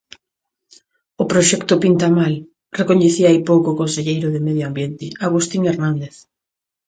"O proxecto pinta mal", recoñecía hai pouco o conselleiro de Medio Ambiente, Agustín Hernández.